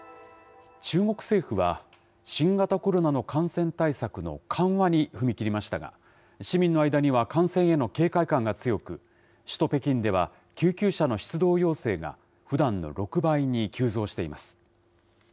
中国政府は、新型コロナの感染対策の緩和に踏み切りましたが、市民の間には感染への警戒感が強く、首都北京では、救急車の出動要請がふだんの６倍に急増しています。